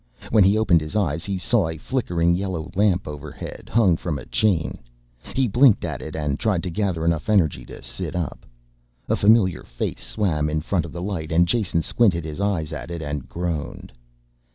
When he opened his eyes he saw a flickering yellow lamp overhead, hung from a chain. He blinked at it and tried to gather enough energy to sit up. A familiar face swam in front of the light and Jason squinted his eyes at it and groaned.